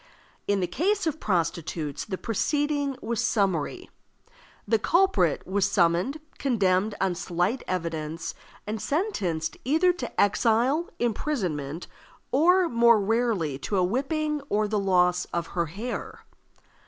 In the case of prostitutes the proceeding was summary. The culprit was summoned, condemned on slight evidence, and sentenced either to exile, imprisonment, or, more rarely, to a whipping or the loss of her hair.